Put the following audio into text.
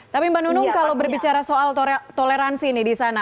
tapi mbak nunung kalau berbicara soal toleransi disana